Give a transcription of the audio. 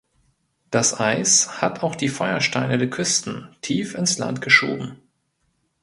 Das Eis hat auch die Feuersteine der Küsten tief ins Land geschoben.